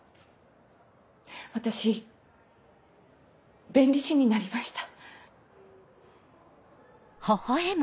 私弁理士になりました。